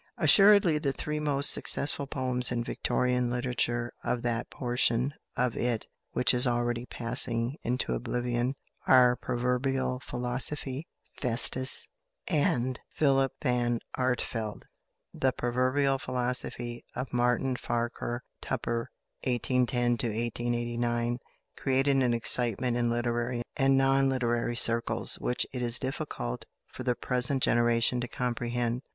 Assuredly, the three most successful poems in Victorian literature, of that portion of it which is already passing into oblivion, are "Proverbial Philosophy," "Festus," and "Philip Van Artevelde." The "Proverbial Philosophy" of =Martin Farquhar Tupper (1810 1889)= created an excitement in literary and non literary circles, which it is difficult for the present generation to comprehend.